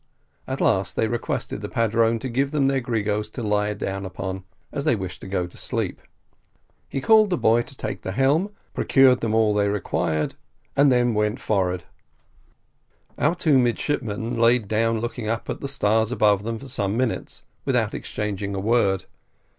At last they requested the padrone to give them gregos to lie down upon, as they wished to go to sleep. He called the boy to take the helm, procured them all they required, and then went forward. And our two midshipmen laid down looking at the stars above them, for some minutes, without exchanging a word.